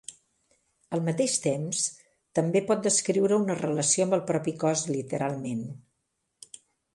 Al mateix temps, també pot descriure una relació amb el propi cos literalment.